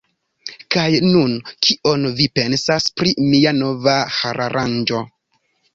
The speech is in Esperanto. Kaj nun, kion vi pensas pri mia nova hararanĝo?